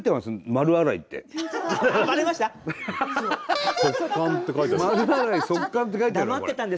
「丸洗い」「速乾」って書いてあるこれ。